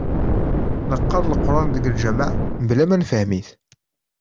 Neqqar leqran deg lǧamaɛ mebla ma nefhem-it.